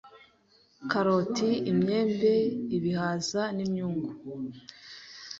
Karoti, imyembe, ibihaza n’imyungu,